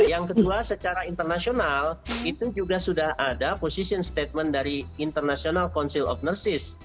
yang kedua secara internasional itu juga sudah ada position statement dari international council of nerces